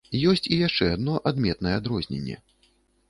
Ёсць і яшчэ адно адметнае адрозненне.